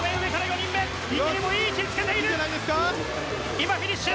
今、フィニッシュ。